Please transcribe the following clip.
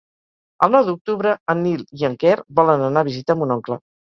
El nou d'octubre en Nil i en Quer volen anar a visitar mon oncle.